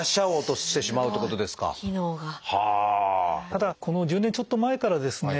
ただこの１０年ちょっと前からはですね